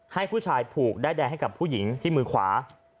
ให้ผู้ชายผูกด้ายแดงให้กับผู้หญิงที่มือขวา